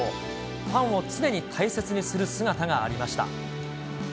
ファンを常に大切にする姿がありました。